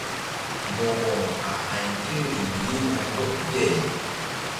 Mo̧ko a a̧y ke riŋ ye na ndɔk bi-ay.